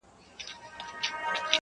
ویل قیامت یې ویل محشر یې-